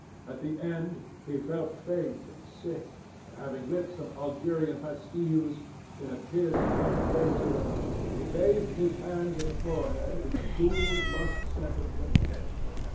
At the end he felt faint and sick, and having lit some Algerian pastilles in a pierced copper brazier, he bathed his hands and forehead with a cool musk scented vinegar.